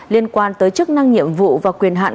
liên quan tới chức năng nhiệm vụ và quyền hạn